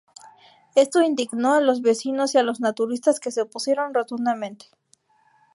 Esto indignó a los vecinos y a los naturistas que se opusieron rotundamente.